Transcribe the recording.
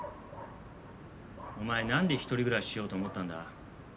お前なんで１人暮らししようと思ったんだ？